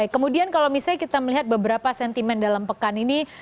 kemudian kalau misalnya kita melihat beberapa sentimen dalam pekan ini